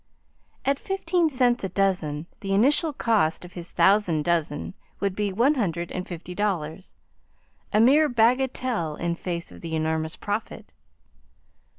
At fifteen cents a dozen, the initial cost of his thousand dozen would be one hundred and fifty dollars, a mere bagatelle in face of the enormous profit.